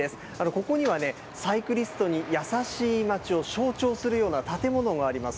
ここにはね、サイクリストに優しい街を象徴するような建物もあります。